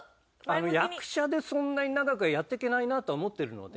役者でそんなに長くはやっていけないなとは思ってるので。